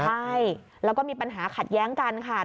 ใช่แล้วก็มีปัญหาขัดแย้งกันค่ะ